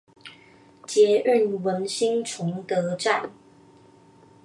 捷運文心崇德站